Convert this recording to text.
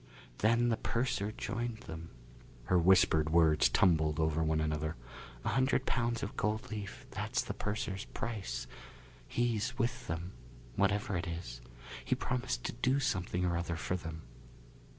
Then the purser joined them." Her whispered words tumbled over one another. "A hundred pounds of gold leaf that's the purser's price. He's with them whatever it is. He promised to do something or other for them."